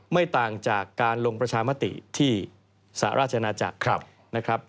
ไม่ต่างจากการลงประชามติที่สหราชนาจักรนะครับ